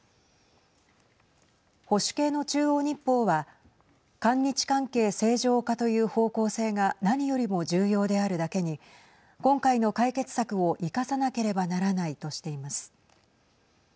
保守系の中央日報は韓日関係正常化という方向性が何よりも重要であるだけに今回の解決策を生かさなければならないとしています。